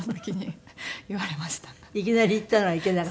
いきなり言ったらいけなかった？